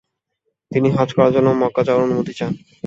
তিনি হজ্জ করার জন্য মক্কা যাওয়ার অনুমতি চান।